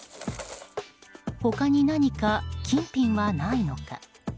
他に何か金品はないのか。